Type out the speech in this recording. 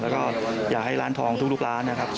แล้วก็อยากให้ร้านทองทุกร้านนะครับ